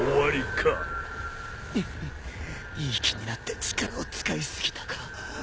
フッいい気になって力を使い過ぎたか。